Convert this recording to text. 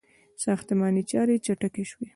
• ساختماني چارې چټکې شوې.